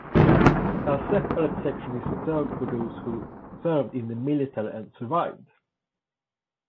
A separate section is reserved for those who served in the military and survived.